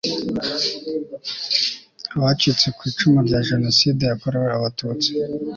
abacitse ku icumu rya jenoside yakorewe abatutsi